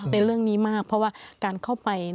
ในเรื่องนี้มากเพราะว่าการเข้าไป